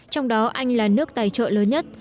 trong đó anh là nước tài trợ lớn nhất